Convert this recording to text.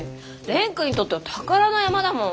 蓮くんにとっては宝の山だもん。